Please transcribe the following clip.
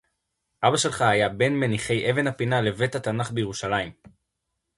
"אבא שלך היה בין מניחי אבן הפינה לבית-התנ"ך בירושלים"